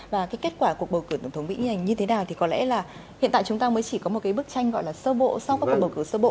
và cái kết quả cuộc bầu cử tổng thống mỹ như thế nào thì có lẽ là hiện tại chúng ta mới chỉ có một cái bức tranh gọi là sơ bộ sau các cuộc bầu cử sơ bộ